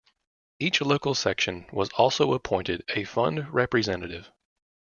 Each local section was also appointed a fund representative.